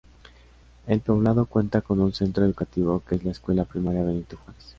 El poblado cuenta con un centro educativo que es la escuela primaria Benito Juarez.